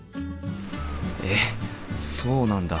えっそうなんだ。